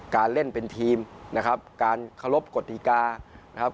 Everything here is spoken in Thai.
การเล่นเป็นทีมนะครับการเคารพกฎิกานะครับ